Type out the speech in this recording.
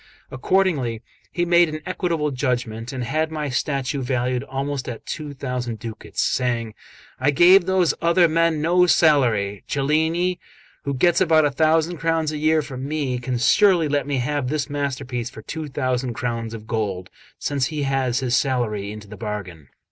Accordingly he made an equitable judgment, and had my statue valued also at two thousand ducats, saying: "I gave those other men no salary; Cellini, who gets about a thousand crowns a year from me, can surely let me have this masterpiece for two thousand crowns of gold, since he has his salary into the bargain."